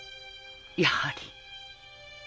やはり。